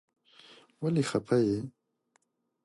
ولی خپه یی ؟